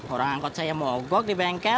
orang angkot saya mogok di bengkel